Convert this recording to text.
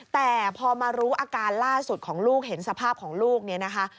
แต่พอมารู้อาการล่าสุดของลูกเห็นสภาพของลูกเนี่ยนะคะ